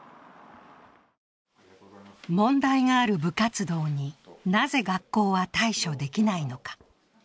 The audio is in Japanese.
問題がある部活動に、なぜ学校は対処できないのか。